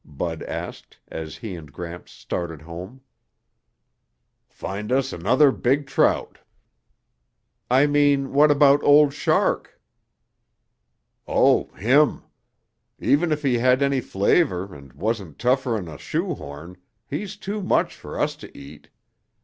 Bud asked, as he and Gramps started home. "Find us another big trout." "I mean, what about Old Shark?" "Oh, him. Even if he had any flavor and wasn't tougher'n a shoehorn, he's too much for us to eat.